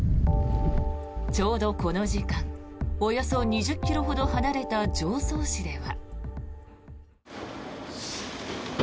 ちょうどこの時間およそ２０ｋｍほど離れた常総市では。